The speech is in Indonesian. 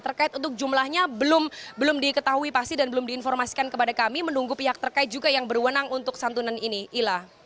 terkait untuk jumlahnya belum diketahui pasti dan belum diinformasikan kepada kami menunggu pihak terkait juga yang berwenang untuk santunan ini ila